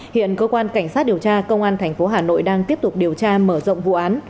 hiện cơ quan cảnh sát điều tra công an tp hà nội đang tiếp tục điều tra mở rộng vụ án